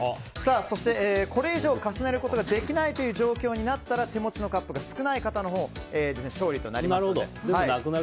そしてこれ以上重ねることができない状況になったら手元のカップが少ない方の勝利となります。